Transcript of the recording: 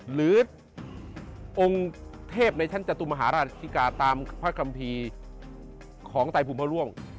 หรือองค์เทพในชั้นจตุมหาราชิกาตามพระคัมภีร์ของไตรภูมิพระร่วง